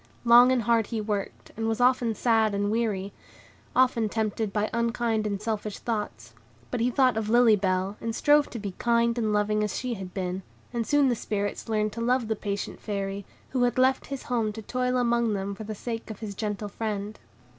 Long and hard he worked, and was often sad and weary, often tempted by unkind and selfish thoughts; but he thought of Lily Bell, and strove to be kind and loving as she had been; and soon the Spirits learned to love the patient Fairy, who had left his home to toil among them for the sake of his gentle friend.